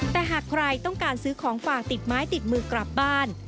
แต่หากใครต้องการซื้อของฝากติดไม้ติดมือกลับบ้าน